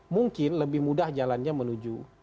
mungkin lebih mudah jalannya menuju